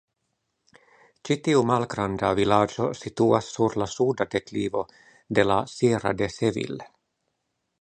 Ĉi tiu malgranda vilaĝo situas sur la suda deklivo de la "Sierra de Sevil".